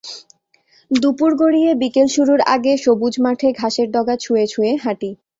দুপুর গড়িয়ে বিকেল শুরুর আগে সবুজ মাঠে ঘাসের ডগা ছুঁয়ে ছুঁয়ে হাঁটি।